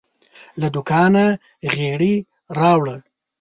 له دوکانه غیړي راوړه